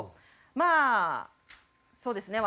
まあそうですね